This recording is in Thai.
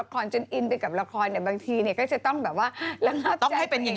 ต้องให้เป็นอย่างนั้นในชีวิตจริงใช่ไหม